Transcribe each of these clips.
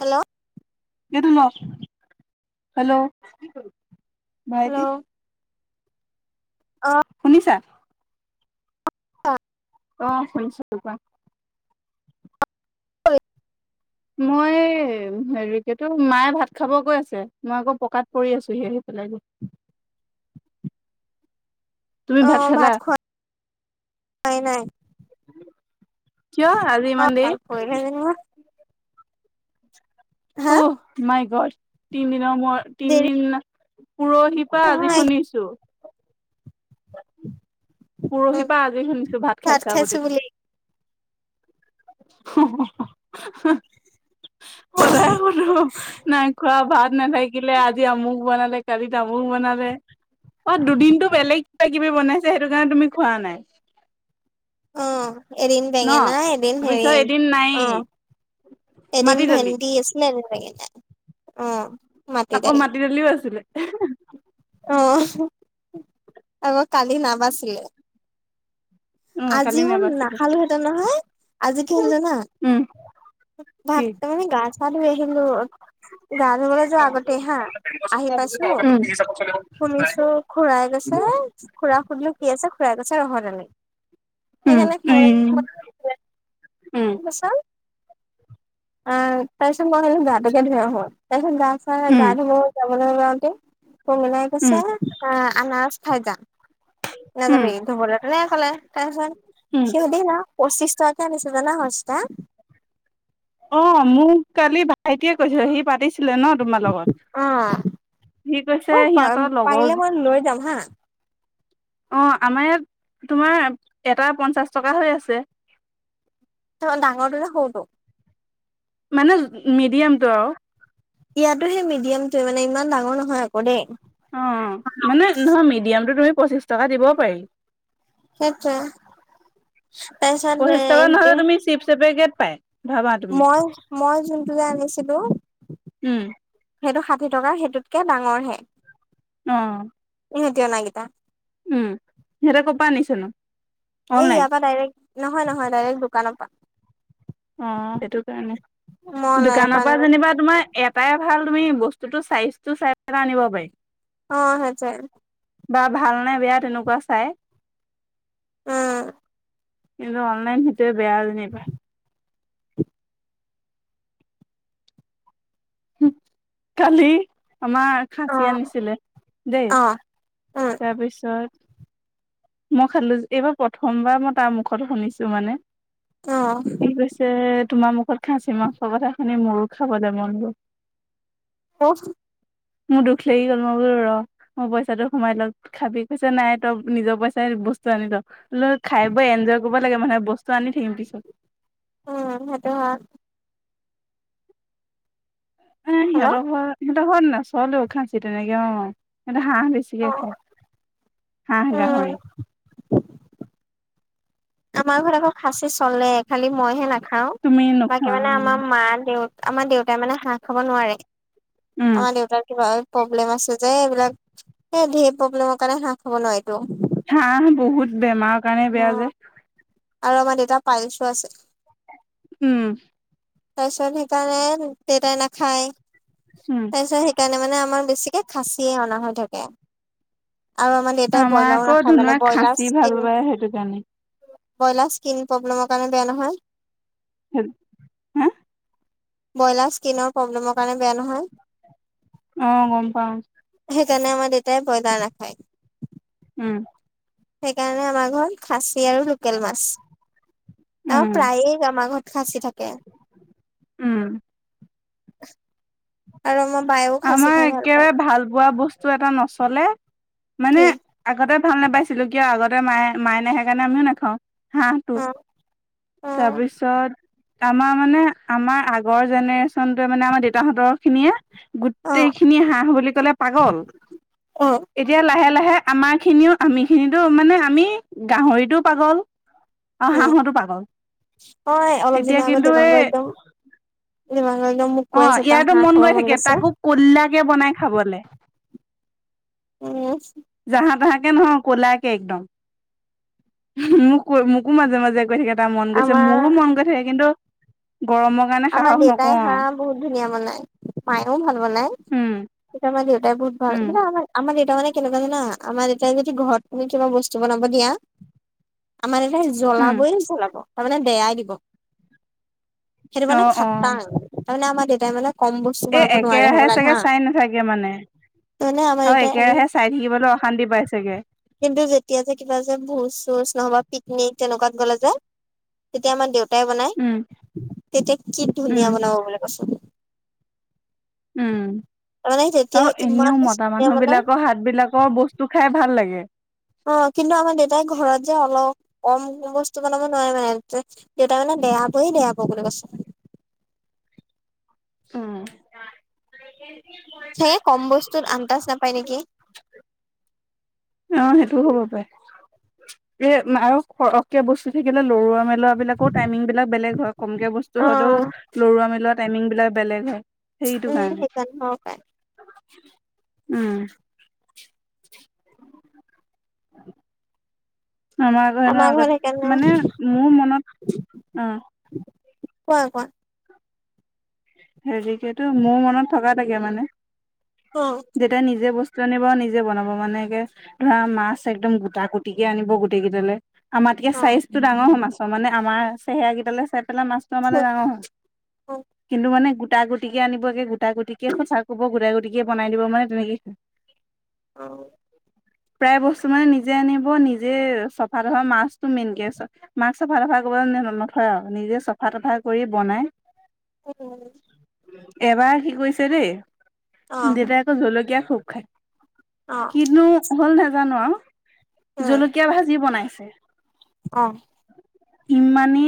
Hello গ ত hello মাহতি অ শুনিছা অ অ সংচপ হয় মই হেৰি কিতো মায়ে ভাত খাব গৈ আছে মই আকৌ পকাত পৰি আছো আহি চ লিব [unintelligible] তুমি ভাত খালা খোৱাই নাই কিয় আজি অ ইমান দেৰি ভাল কৰিলে যেনিবা হা ঔ মাই গড তিনিদিনৰ মোৰত দেৰি তিনদিন পুৰহি কোৱা আজি নহয় শুনিছো। [inaudible] পুৰহিৰ পা আজি শুনিছো ভাত খাইছা বুলি তুমি। [unintelligible] নাই খোৱা, ভাত নাথাকিলে, আজি আমুক বনালে কালিত তামুক বনালে। অ দুদিনটো বেলেগ কিবা কিবি বনাইছে সেইটো কাৰণে তুমি খোৱা নাই। অ এদিন ন বেঙেনা এদিন তাৰপিছত হেৰি এদিন নাই অঁ এদিন মাটি দালি ভেন্দি আ আছিলে এদিন বেঙেনা অঁ। আকৌ মাটি দালিও আছিলে অঁ আকৌ কালি নাবাচিলে। অ কালি আজিও নাবাছিলে নাখালো হেঁতেন নহয়, আজি কি হ'ল জানা? উম। ভাত কি মানে গা চা ধুই আহিলো গা ধুবলে যোৱা আগতে হা, আহি পাইছো শুনিছো খুৰাই কৈছে খুৰাক সুধিলোঁ কি আছে খু়ৰাই কৈছে ৰহৰ দালি উম সেইকাৰণে উম [inaudible] উম। [unintelligible] আহ তাৰপিছত মই ভাবিলোঁ গাটোকে ধুই আহোঁ তাৰ পিছত গা চা উম গা ধুলো যাবলৈ ওলাওঁতে কমিলাই উম কৈছে আহ আনাৰজ খাই যা। উম নাযাবি ধুবলে তেনেকে কলে, তাৰ উম পিছত সি [unintelligible] পঁচিশ টকাকে আনিছে জানা সস্তা। অ মোক কালি ভাইটিয়ে কৈছে সি পাতিছে ছিলে ন তোমাৰ লগত অ সি অ কৈছে সিহঁতৰ লগৰ পাৰিলে মই লৈ যাম হা অঁ আমাৰ ইয়াত তোমাৰ এটা পঞ্চাছ টকা হৈ আছে। ত ডাঙৰটো নে সৰুটো? মানে মিডিয়ামটো আৰু। ইয়াতো সেই মিডিয়ামটোৱে মানে ইমান ডাঙৰ নহয় আক দেই। অ মানে নহয় মিডিয়ামটো তুমি পঁচিশ টকা দিব পাৰি। সেইটোৱে তাৰপিছত পঁচিশ টকা এ নহলে তুমি চিপচ এপেকেট পাই। মই মই যোনটো যে আনিছিলো উম সেইটো ষাঠি টকা সেইটোতকে ডাঙৰ হে। অঁ। ইহঁতি অনাকেইটা। উম সিহঁতে ক'ৰ পৰা আনিছে নো? এই ইয়াৰ পৰা ডাইৰেক্ট, নহয় নহয় ডাইৰেক্ট দোকানৰ পৰা। অ সেইটো কাৰণে, মই অনলাইনৰ দোকানৰ পৰা আনিলো যেনিবা তোমাৰ এ এটাই ভাল তুমি বস্তুটো চাইজটো চাই এটা আনিব পাৰি। অঁ সেইটোৱে। বা ভাল নে বেয়া তেনেকুৱা চাই। অঁ। কিন্তু অনলাইন সেইটোৱে বেয়া আৰু নেপায়। কালি আমাৰ অ খাচী আনিছিলে দেই অ উম তাৰপিছত মই খালো এইবাৰ প্ৰথমবাৰ মই তাৰ মুখত শুনিছো মানে। অহ। কি কৈছে তোমাৰ মুখত খাচি মাংসৰ কথা শুনি মোৰো খাব যে মন গ'ল। [unintelligible] মোৰ দুখ লাগি গ'ল মই বোলো ৰ। মই পইচাটো সোমাই ল খাবি কৈছে নাই তই নিজৰ পইচাই বস্তু আনি ল। লৈ খাই বৈ এনজয় কৰিব লাগে মানহে বস্তু আনি থাকিম পিছত। উম সেইটো হয়। মানে হেল্ল' সিহঁতৰ ঘৰ সিহঁতৰ ঘৰত নাচলেও খাচি তেনেকে অ সিহতৰ হাঁহ বেছি বেছি অ কে খাই হাঁহ, গাহৰি। উম আমাৰ ঘৰত আকৌ খাচী চলে খালি মইহে নাখাও তুমি নোখোৱা বাকী মানে অ আমাৰ মা, দেউতা আমাৰ দেউতাই মানে হাঁহ খাব নোৱাৰে। উম আমাৰ দেউতাৰ কিবা প্ৰব্লেম আছে যে এইবিলাক এ ঢেৰ প্ৰব্লেমৰ কাৰণে হাঁহ খব নোৱাৰি। [unintelligible] হাঁহ বহুত বেমাৰৰ কাৰণে বেয়া যে। আৰু আমাৰ দেউতাৰ পাইলচও আছে। উম। তাৰপাছত সেইকাৰণে দেটাই নেকাহী উম তাপাচত সেইকাৰণে মানে আমাৰ বেছিকে খাচিয়ে অনা হৈ থাকে আৰু আমাৰ দেউতাই ব্ৰইলাৰও আকৌ নাখায় মানে ধুনুুৱে ব্ৰইলাৰ খাচী ভাল স্কিন পায় সেইটো কাৰণে ব্ৰইলাৰ স্কিন প্ৰব্লেমৰ কাৰণে বেয়া নহয়। [unintelligible] হা ব্ৰইলাৰ স্কিনৰ প্ৰব্লেমৰ কাৰণে বেয়া নহয়। অ গম পাও। সেইকাৰণে আমাৰ দেউতাই ব্ৰইলাৰ নাখায়। উম। সেইকাৰণে আমাৰ ঘৰত খাচী আৰু লোকেল মাছ। আহ উম প্ৰায়ে আমাৰ ঘৰত খাচি থাকে। উম [unintelligible] আৰু আমাৰ বাই ও আমাৰ একেবাৰে ভাল পোৱা বস্তু এটা নচলে মানে কি আগতে ভাল নাপাইছিলোঁ কিয় আগতে মায়ে মায়ে নোখোৱা কাৰণে আমিও নাখাওঁ। হাঁহটো অ অ তাৰপিছত আমাৰ মানে আমাৰ আগৰ জেনেৰে্চনটোৱে মানে আমাৰ দেউতাহঁতৰ খিনিয়ে অ গোটেইখিনি হাঁহ বুলি ক'লে পাগল। অ এতিয়া লাহে লাহে আমাৰ খিনিও আমিখিনো মানে আমি গাহৰিটো পাগল আৰু উম হাঁহো পাগল। অ অলপ এতিয়া দিনৰ আগত কিন্তু দেৱাংগ এই একদম [unintelligible] অ তাৰ ইযৰটো হাঁহ মন খাব গৈ থাকে গৈছে তাকো কোল্লাকে বনাই খাবলে। উম। জাহা তাহাঁ কে নহয় ক'লা কে একদম। মোক -মোকো মাজে মাজে কৈ থাকে। টা মন গৈছে আমাৰ মোৰো মন গৈ থাকে কিন্তু গৰমৰ কাৰণে আমাৰ সাহস দেউতাই নকৰো আৰু। হাঁহ বহুত ধুনীয়া বনাই মায়েও ভাল বনায় উম কিন্তু আমা দেউতাই হয় উম কিবা আমাৰ দেউতা মানে কেনেকুৱা জানা আমাৰ দেউতাই যদি ঘৰত তুমি কিবা বস্তু বনাব দিয়া আমাৰ উম জ্বলাবই জ্বলাব তাৰমানে বেয়াই দিব সেইটো অ মানে অ খাটাা তাৰমানে আমাৰ দেউতাই মানে কম বস্ত এ একেৰাহে চাগে চাই নাথাকে মানে তাৰমানে আমাৰ আৰু দেউতাই একেৰাহে চাই থাকিবলৈ অশান্তি পাইছেগে কিন্তু যেতিয়া যে কিবা যে ভোজ চুজ নহবা পিকনিক তেনেকুৱাত গ'লে যে তেতিয়া আমাৰ দেউতাই বনায় উম তেতিয়া কি উম ধুনীয়া বনাব বুলি কৈছোন উম তাৰমানে তেতিয়া আৰু ইমান এনেও বেছি মতা ধুনীয়া মানুহ বনাই বিলাকৰ হাতবিলাকৰ বস্তু খাই ভাল লাগে অ কিন্তু আমাৰ দেউতাই ঘৰত যে অলপ কম বস্তু বনাব নোৱাৰে মানেতে দেউতা মানে বেয়া পয়ে বেয়া পাব বুলি কৈছ উম সেয়ে কম বস্তুত আন্দাজ নাপায় নেকি অ সেইটোও হ'ব পাৰে এ আৰু সৰহক বস্তু থাকিলে লৰুোৱা মানে ল বিলাকও টাইমিং বিলাক বেলেগ হয় কমকে বস্তু হ'লেও অ'। লৰোৱা মেলোৱা টাইমিং বিলাক বেলেগ হয় সেইটো উম, কাৰণে সেইকাৰণে হ'ব পাৰে, উম আমাৰ ঘৰত আগতে সেইকাৰণে মানে মোৰ মনত অ কোৱা কোৱা হেৰিকেতো মোৰ মনত থকা থাকে মানে উম তয়া নিজে বস্তু আনিব নিজে বনাব মানেকৈ ধৰা মাছ একদম গোটা কুটিকে আনিব গোটেই কেইটালৈ আমাৰতিয়া অ চাইজটো ডাঙৰ হ মাছৰ মানে আমাৰ চেহেৰাৰাক কেইটালে চাই পেলাই মাছটো আমাৰ ডাঙৰ হ অ অ কিন্তু মানে গোটা গুটিকে আনিব একে গোটা গুটিকে সঁচা কব গোটা গুটিকে বাই দিবানে তেনেকে হয় আহ প্ৰায় বস্তু মানে নিজে আনিব নিজে চফা ধৰা মাছটো মেইনকে মাক্ক চফা তফা কৰিব নথয় আৰু নিজে চফা তফা কৰি বনাই উ এবাৰ কি কৰিছে দেই দেউতাই আকৌ জলকীয়া খুব খায় কিনো হ'ল নাজানো আৰু জলকীয়া ভাজি বনাইছে অ ইমানি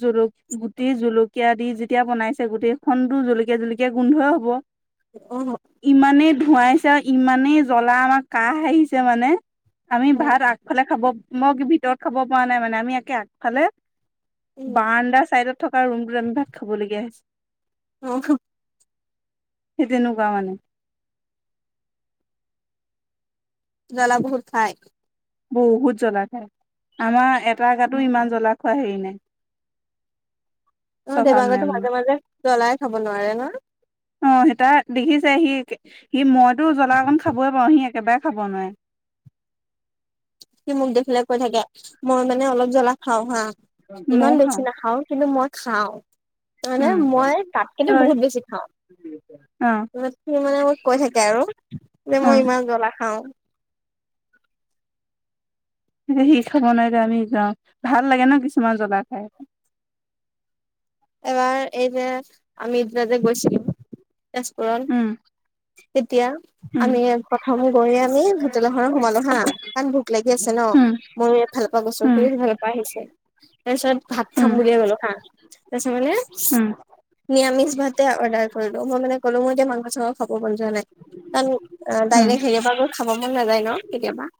জক গুটি জলকীয়া দি যেতিয়া বনাইছে ছে গোটেইখননো জলকীয়া জলকীয়া গোন্ধই হব অ ইমানেই ধৱাইছে আৰু ইমানেই জ্বলা আমাৰ কাহ আহিছে মানে আমি উম ভাত আগফালে খাব মই ভিতৰত খাব পৰা নাই মানে আমি একে আগফালে উম বাৰাণ্ডাৰ চাইডত থকা ৰুমটোত আমি ভাগ খাবলগীয়া হৈছে অ সেই তেনেকুৱা মানে জ্বলা বহুত খায় বহুত জ্বলা খাই আমাৰ এটা গাতো ইমান জ্বলা খোৱা হেৰি নাই অ স্বভাৱ নাই দেৱাংগৰটো মানে মাজে মাজে জ্বলাই খাব নোৱাৰে ন অ সতা দেখিছে সি সি মইতো জ্বলা অকণ খাবয় পাৰো সি একেবাৰে খাব নোৱাৰে কি মোক দেখিলে কৈ থাকে মই মানে অলপ জ্বলা খাও হা ইমান ময়ও বেছি খাওঁ নাখাও কিন্তু মই খাওঁানে উম হয় মই তাতকেতো বহুত বেছি খাওঁ অ ত সি মানে মোক কৈ থাকে আৰু যে অ মই ইমান জ্বলা খাও সি খাব নোৱাৰিলে আমি যাও ভাল লাগে ন কিছুমান জ্বলা খাই এবাৰ এই যে আমি সিদিনা যে গৈছিলো তেজপুৰণ উম তেতিয়া উম আমি প্ৰথম গৈয়ে আমি হোটেল এখনত সোমালো হা ইমান ভোক লাগি আছে ন উম ময়ো এফালপা গৈছো উম সিও সিফালপা আহিছে তাৰ পিছত ভাত উম খাম বুলিয়ে গ'লো হা কৈছে মানে উম নিৰামিষ ভাতে অৰ্ডাৰ কৰিলো মই মানে কলো মই এতিয়া মাংস খাব মন যোৱা নাই কাৰণ উম ডাইৰেক্ট হেৰিয়পা পৰা গৈ খাব মন নাযায় ন কেতিয়াবা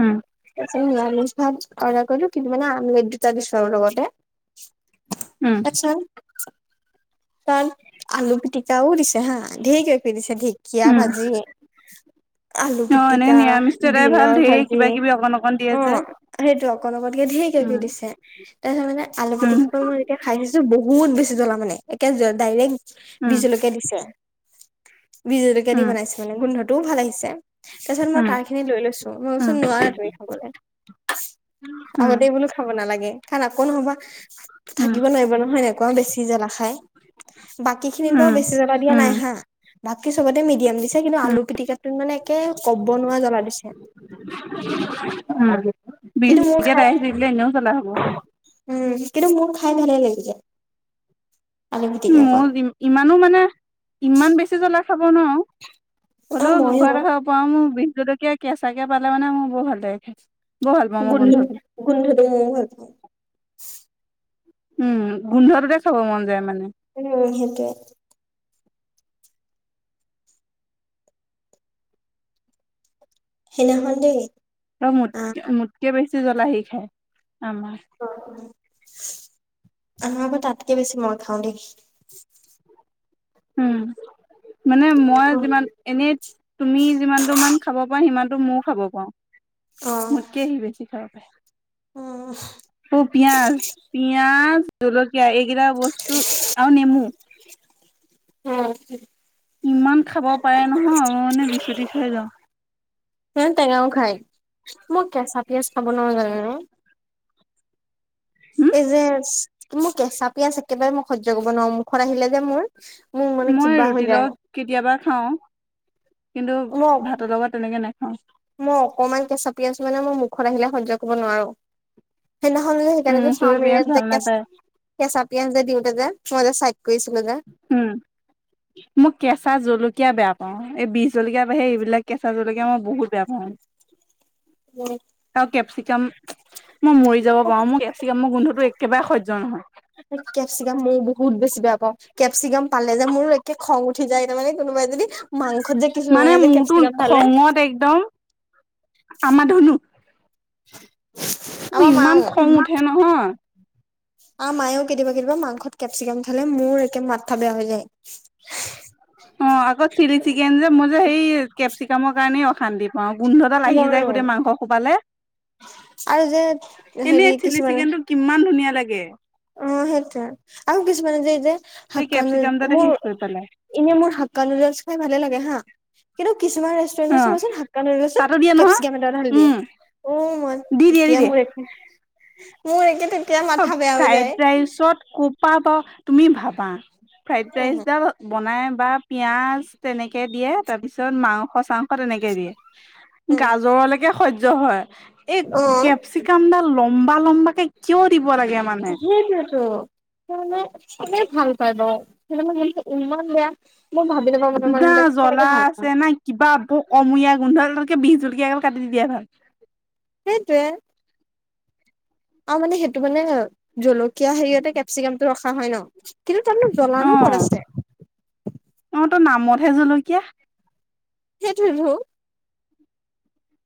উম তাৰ পিছত নিৰামিষ ভাত অৰ্ডাৰ কৰিলো কিন্তু মানে আমলেট দুটা দিছো আৰু লগতে উম আচ্ছা তাত আলু পিটিকাও দিছে হা ধেই কিবা কিবি দিছে ঢেকীয়া উম ভাজি আলু অ এনে পিটিকা নিৰামিষটো এটাই ভাল বিনৰ ধেৰ ভাজি কিবা কিবি অকন অকন দিয়ে অ যে সেইটো অকণ অকণকে ধেই কিবা কিবি উম দিছে তাৰপিছত মানে আলু উম পিটিকা মোৰ এতিয়া খাই দিছো বহুত বেছি জ্বলা মানে একে ডাইৰেক্ট উম বীজলকীয়া দিছে বিজলকীয়া দি উম বনাইছে মানে গোন্ধটোও ভাল আহিছে তাৰপিছত মই উম তাৰ খিনি লৈ লৈছো মই উম চোন নোৱাৰা ধৰি খাবলৈ উম আগতে বোলো খাব নালাগে কাৰণ আকৌ নহবা উম থাকিব নোৱাৰিব হয় নাই কোৱা বেছি জ্বলা খাই বাকী উম খিনিতো উম বেছি জ্বলা দিয়া নাই হা উম বাকী চবতে মিডিয়াম দিছে কিন্তু আলু পিটিকাটো মানে একে ক'ব নোৱাৰা জ্বলা দিছে উম কিন্তু মোৰ বিজলকীয়া খাই দি দিলে এনেও জ্বলা হ'ব উম কিন্তু মোৰ খাই ভালে লাগিলে আলু মোৰ পিটিকাকণ ই ইমানো মানে ইমান বেছি জ্বলা খাব নোৱাৰো অ', হ'লেও ময়ো জোখৰ এটা খাব পাও মোৰ বিজলকীয়া কেঁচাকে পালে মানে মোৰ বৰ ভাল লাগে খাই বৰ ভাল পাওঁ মই গোন গোন্ধটো গোন্ধটো ময়ো ভাল পাও উম গোন্ধটোতে খাব মন যায় মানে উম সেইটোৱে সেনাখন দেই ত মোত আহ মোতকে বেছি জ্বলা সেই খায় আমাৰ অ অ আমা আকৌ তাতকে বেছি মই খাও দেই উম মানে মই অ', যিমান এনেই তুমি যিমানটো মান খাব পাৰা সিমানটো মও খাব পাৰো মোতকে সি বেছি খাব পাৰে অ মোৰ পিয়াজ পিয়াজ জলকীয়া এইকেইটা বস্তু আও নেমু অ সেই ইমান খাব পাৰে নহয় মই মানে বিচুতি খাই যাও হে টেঙাও খাই। মই কেঁচা পিয়াজ খাব নোৱাৰো জানেনে হম এই যে মোৰ কেঁচা পিয়াজ একেবাৰে মই সহ্য কৰিব নোৱাৰো মুখত আহিলে যে মোৰ মোৰ মানে মই কিবা হৈ ৰুটিৰ যায় লগত কেতিয়াবা খাও কিন্তু মই ভাতৰ লগত তেনেকে নাখাও। মই অকণমান কেঁচা পিঁয়াজ মানে মই মুখত আহিলে সহ্য কৰিব নোৱাৰো। সেইদিনাখন যে সেইকাৰণে উম, যে চবে চাওমিন পিয়াজ ভাল একজেকেচ নাপায়। কেঁচা পিঁয়াজ যে দিওতে যে মই যে চাইড কৰিছিলো যে উম', মই কেঁচা জলকীয়া বেয়া পাওঁ এই বিজ জলকীয়া বাহিৰে এইবিলাক কেঁচা জলকীয়া মই বহুত বেয়া পাওঁ। উম', আৰু কেপচিকাম মই মৰি যাব পাৰো মোৰ কেপচিকামৰ গোন্ধটো একেবাৰে সহ্য নহয় কেপচিকাম ময়ো বহুত বেছি বেয়া পাওঁ কেপচিকাম পালে যে মোৰো একে খং উঠি যায় তাৰমানে কোনোবাই যদি মাংস মানে মোৰতো খঙত একদম আমাৰ ধুনু মোৰ আমাৰ ইমান মাও খং উঠে নহয়। আ মায়েও কেতিয়াবা কেতিয়া মাংসত কেপচিকাম ঢালে মোৰ একে মাথা বেয়া হৈ যায়। অ', আকৌ চিলি চিকেন যে মোৰ যে সেই কেপচিকামৰ কাৰণেই অশান্তিত অ', গোন্ধডাল আহি মইও যায় গোটেই মাংস হোপালে আৰু যে এনেই হেৰি চিলি কিছুমানে চিকেনটো কিমান ধুনীয়া লাগে। অ', সেইটোৱে আৰু কিছুমানে যে এই যে সেই হকান কেপচিকাম ডালে মো শেষ কৰি পেলাই। এনে মোৰ হাক্কা নুডেলছ খাই ভালে লাগে হা কিন্তু কিছুমান ৰেষ্টু ৰেন্ট অ', চাবাচোন হাক্কা নডেলছ্ ত তাতো দিয়ে নহয়, কেপচিকাম এটা ঢালি দিয়ে উম, ঔ মই দি দিয়ে দি তেতিয়া দিয়ে। মোৰ মোৰ একে তেতিয়া মাথা বেয়া হৈ ফ্ৰাইড যায়। ৰাইচত ক'পা বা তুমি ভাবা ফ্ৰাইড উম, ৰাইচডাল বনাই বা পিয়াজ তেনেকে দিয়ে তাৰ পিছত মাংস চাং তেনেকে দিয়ে উম, গাজৰলেকে সহ্য হয় এই অ', কেপচি কান্দা লম্বা লম্বা কে কিয় দিব লাগে মান সেইটোৱে ত সেই মানে কোনে ভাল পাই বাও সেইটো মে ইমান বেয়া মোৰ ভাবিলে বাও দা জ্বলা আছে না কিবা ভ-কমৰীয়া গোন্ধ এডা তাতকে বিহ জলকীয়া গাল কাটি দি দিয়াই ভাল সেইটোৱে আৰু মানে সেইটো মানে জলকীয়া হেৰিয়তে কেপচিকামটো ৰখা হয় ন কিন্তু তাৰমানে অ জ্বলানো কত আছে। অ', তো নামতহে জলকীয়া সেইটোৱেতো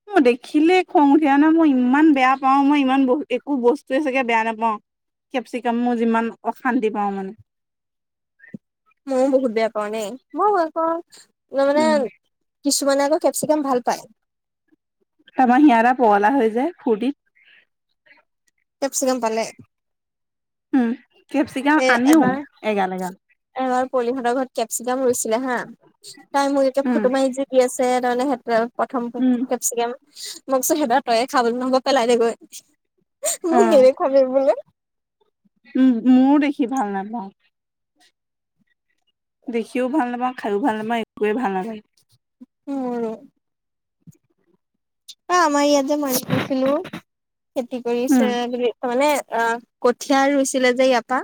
মই দেখিলে খং উঠি আহে ন মই ইমান বেয়া পাও মই ইমান ব একো বস্তুৱে চাগে বেয়া নাপাওঁ। কেপচিকাম মই যিমান অশান্তি পাওঁ মানে ময়ো বহুত বেয়া পাও দেই মও বেয়া পাও মানে উম কিছুমানে আকৌ কেপচিকাম ভাল পায়। আমাৰ হিয়া দা পগলা হৈ যায় ফুৰ্তিত কেপচিকাম পালে। উম কেপচিকাম এ আনেও এবাৰ এগাল এগাল এবাৰ পলিহতৰ ঘৰত কেপচিলাম ৰুইছিলে হা তাই মোক একে উম ফটো মাৰি আনিছে আছে তাৰমানে সেট প্ৰথম উম কেপচিকেম মই কৈছো সেইবিলাক তইয়ে খা গৈ নহলে বা পেলাই দেগৈ অ মোক নেদেখুৱাবি বোলো উম মও দেখি ভাল নাপায়। দেখিও ভাল নাপাওঁ খায়ো ভাল নাপাওঁ একোৱেই ভাল নালাগে। মোৰো এ আমাৰ ইয়াত যে মাৰি থৈছিলো খেতি উম কৰিছে বুলি তাৰ মানে আ- কঠীয়া ৰুইছিলে যে ইয়াৰ পা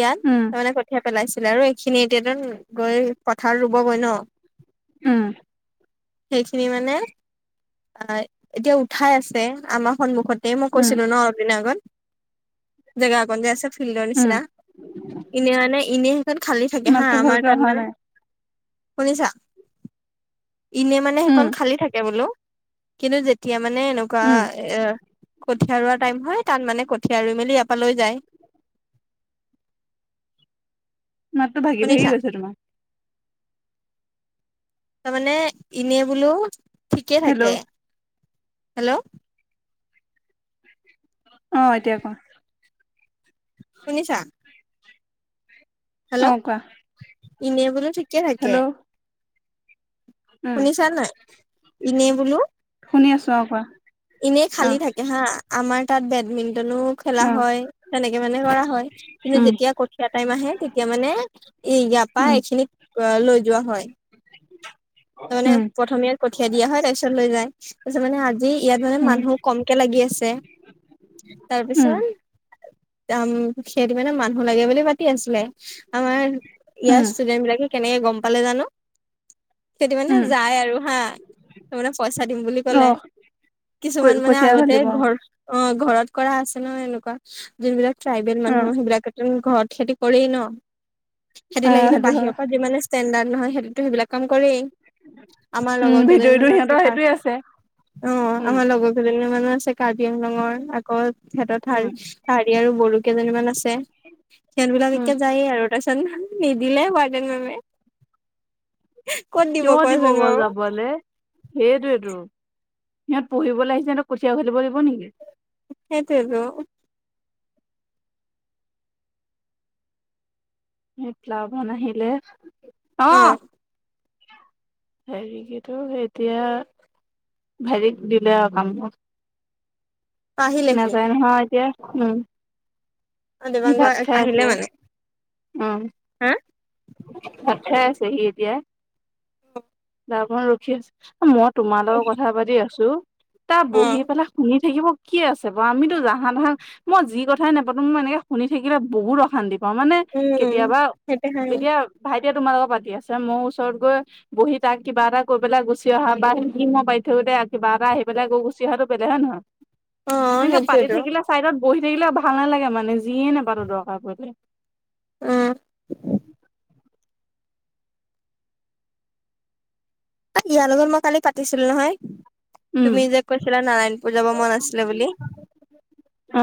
ইয়াত উম তাৰমানে কঠীয়া পেলাইছিলে আৰু এইখিনি এতিয়া ত গৈ পথাৰত ৰুব গৈ ন, উম সেইখিনি মানে আ এতিয়া উঠাই আছে আমাৰ সন্মুখতে মই উম কৈছিলো ন অলপ দিনৰ আগত। জেগা অকন যে আছে ফিল্ডৰ উম নিচিনা এনে মানে এনে য'ত খালী থাকে হা মাতটো আমাৰ ভালকে তাত অহা মানে, নাই শুনিছা? এনে মানে সেইখন উম খালী থাকে বোলো, কিন্তু যেতিয়া মানে এনেকুৱা উম এ কঠীয়া ৰুৱা টাইম হয় তাত মানে কঠীয়া লৈ মেলি ইয়াৰ পৰা লৈ যায়। মাতটো ভাগি ভাগি শুনিছা গৈছে তোমাৰ। তাৰমানে এনেই বোলো ঠিকে হেল্ল' থাকে। হেল্ল'! অঁ, এতিয়া কোৱা? শুনিছা? অ হেল্ল'! কোৱা এনে বোলো ঠিকে থাকে। হেল্ল' উম শুনিছা নে নাই? এনেই বোলো শুনি আছোঁ। অঁ কোৱা? এনেই অ খালী থাকে হা আমাৰ তাত বেডমিন্টনো খেলা অ হয় তেনেকে মানে কৰা হয় কিন্তু উম যেতিয়া ক ঠীয়া টাইম আহে তেতিয়া মানে ই ইয়াৰা পৰা উম এইখিনি লৈ যোৱা হয়। তাৰ মানে উম প্ৰথমে ইয়াত কঠিয়াই দিয়া হয় তাৰপিছত লৈ যায়, তাৰপিছ মানে আজি ইয়াত মানে উম মানুহ কমকে লাগি আছে। উম তাৰপিছত সেইটো কাৰনে মানুহ লাগে বুলি মাতি আছিলে। আমাৰ উম ইয়াৰ ষ্টুডেন্ট বিলাকে কেনেকে গম পালে জানো। সিহঁতি মানে উম যায় আৰু হা, মানে পইচা দিম বুলি অ ক'লে। কিছুমান মানে কঠীয়া আগতে ফালিব ঘৰ অঁ ঘৰত কৰা আছে ন এনেকুৱা যোন বিলাক ট্ৰাইবেল উম মানুহ সেইবিলাক তো ঘৰত খেতি কৰেই ন। অ', সিহঁতি লাগিলে সেইটো হয়, বাহিৰৰ পৰা যিমানে ষ্টেণ্ডাৰ্ড নহয় হেঁতিটো সেইবিলাকে কাম কৰেই। আমাৰ উম, লগৰ কেইজনী ভিতৰিতো মানো আছে সিহঁতৰ কা সেইটোৱে আছে, অঁ উম। আমাৰ লগৰ কেইজনী মানো আছে কাৰ্বি আংলঙৰ আকৌ সিহঁতৰ উম, কাৰ্বি আৰু বড়ো কেইজনীমান আছে। উম, সিহঁতবিলাকে যায়ে আৰু তাৰপাছত নিদিলে ৱাৰ্ডেন মে'মে। কিয় দিব বাৰু যাবলে। সেইটোৱেটো সিহঁত পঢ়িবলৈ আহিছে, সিহঁতক কঠিয়া ওঘালিব দিব নেকি। সেইটোৱেটো। হে ক্লাভন আহিলে, অ অঁহ' হেৰি কিটো এতিয়া হেৰিক দিলে আৰু কামবোৰ। আহিলে সি নাযায় নহয় এতিয়া, উম। অ সি দেবাংগ ভাত খাই আহিলে আছে। মানে অঁ। হা? ভাত খাই আছে সি এতিয়া। [unintelligible] তাৰপৰা ৰখি আছো মই তোমাৰ লগত কথা পাতি আছো, তাৰ অ বহি পেলাই শুনি থাকিব কি আছে বাৰু আমিতো জাহা তাহা মই যি কথাই নাপাতো মই এনেকে শুনি থাকিলে বহুত অশান্তি পাওঁ, মানে উম কেতিয়াবা সেইটো হয় এতিয়া ভাইটিয়ে তোমাৰ লগত পাতি আছে মই ওচৰত গৈ বহি তাক কিবা এটা কৈ পেলাই গুচি অহা বা সি মই পাতি থাকোতে কিবা এটা আহি পেলাই আকৌ গুচি অহাটো বেলেগ হয় নহয়? অ এনেকে পাতি সেইটোয়েতো থাকিলে চাইডত বহি থাকিলে ভাল নালাগে মানে যিয়ে নোপাতো দৰকাৰ পৰিলে। অ' ইয়াৰ লগত মই কালি পাতিছিলো নহয়। উম তুমি যে কৈছিলা নাৰায়ণপূজাব মন আছিলে বুলি। অ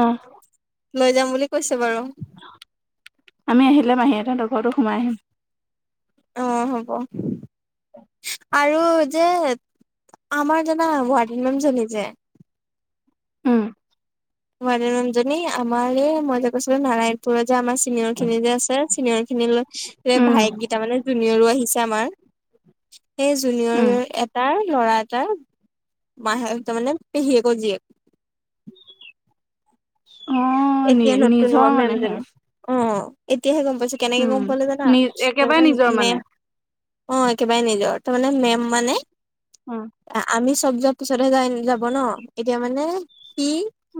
লৈ যাম বুলি কৈছে। বাৰু আমি আহিলে মাহীতৰ লগৰতো সোমাই আহিম। অ হ'ব অ আৰু যে আমাৰ জাননা ৱাৰ্ডেন মেম জনী যে। উম মনোৰন ৰ্জনী আমাৰ এই মই যে কৈছিলো। নাৰায়ণপুৰত যে আমাৰ চিনিয়ৰ খিনি যে আছে। চিনিয়ৰ খিন লগত- যে উম ভায়েককেইটাাৰ মানে জুনিয়ৰো আহিছে। আমাৰ সেই উম জুনিয়ৰ এটাৰ ল'ৰা এটটা মাহেক তাৰ মানে পেহীয়েক জীয়েক- অ' নি এতিয়া নতুন নিজৰ হ'ব মেম মানে জনে সিহঁত অ এতিয়াহে গম পাইছো। কেনেকে উম গম পালে জানা নি তাৰ একেবাৰে মানে নিজৰ মে' অ' একেবাৰে নিলে তাৰমানে মেম মানে। উম। আমি চব যোৱাৰ পিছতহে যাই যাব ন এতিয়া মানে সি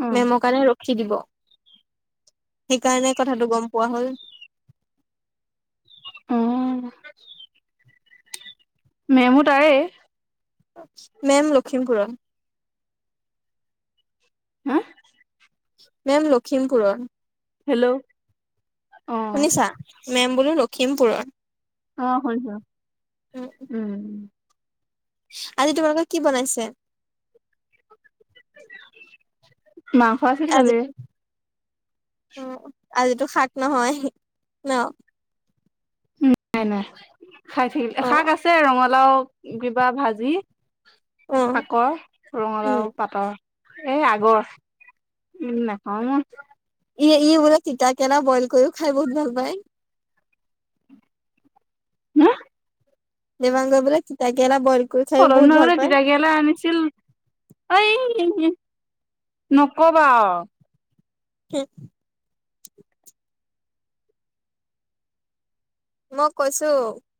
উম মেমৰ কাৰণে ৰ কি দিব। সেইকাৰণে কথাটো গম পোৱা হ'ল। অ মেমু তাৰে- মেম লখিমপুৰত- হা মেম লখিমপুৰত হেল্ল' অ' শুনিছা,? মেম বোলো লখিমপুৰৰ, অ শুনিছো উ উম আজি তোমালোকৰ কি বনাইছে। মাংস আছিল। আজি কালিৰে উ আজিতো শাক নহয় ন। নাই নাই খাই থাকিল অ শাক আছে ৰঙালাও, কিবা ভাজি- অ আাকৰ উম ৰঙালাও, পাটৰ এ আগৰ উম নখাও মই ই ই বোলে চতিতা, কেনা বইল কৰিও খাই বহুত ভাল পায়। উম জিমান গিপিনে তিতাকেৰা বইল। কৰি খাইও ঘৰ বহুত ভাল নহলে পায় তিতাকেৰেলা আনিছিল এই নকবা আৰু কে মই কৈছো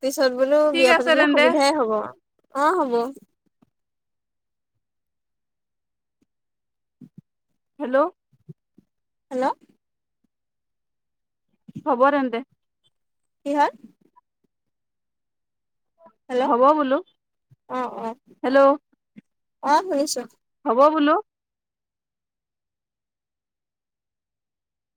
পিছত বোলো ঠিক বিয়া আছে পাতিলে তেন্তে সুবিধাই হব অ হব। [unintelligible] [inaudible] হেল্ল' হেল্ল' হ'ব এন্তে। কি হ'ল? হেল্ল' হ'ব বোলো অঁ অঁ হেল্ল' অঁ শুনিছোঁ। হ'ব বোলো